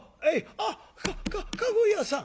「あっかっ駕籠屋さん！